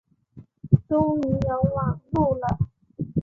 终于有网路了